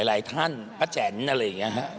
หลายท่านป้าแจ๋นอะไรอย่างนี้ครับ